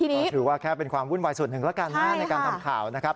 เราถือว่าแค่เป็นความวุ่นวายสุดหนึ่งละกันในการทำข่าว